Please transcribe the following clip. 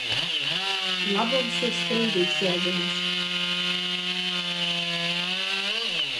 Labums ir strīdīgs jēdziens.